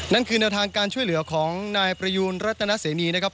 นั่นคือแนวทางการช่วยเหลือของนายประยูนรัตนเสนีนะครับ